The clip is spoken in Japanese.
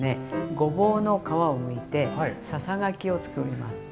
ごぼうの皮をむいてささがきをつくります。